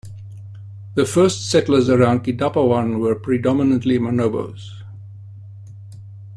The first settlers around Kidapawan were predominantly Manobos.